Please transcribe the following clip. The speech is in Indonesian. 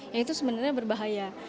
yang itu sebenarnya berbahaya